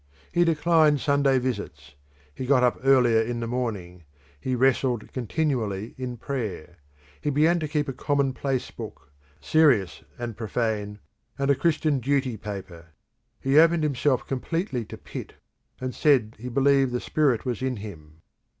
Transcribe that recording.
He declined Sunday visits; he got up earlier in the morning; he wrestled continually in prayer; he began to keep a common place book, serious and profane, and a Christian duty paper. He opened himself completely to Pitt, and said he believed the Spirit was in him.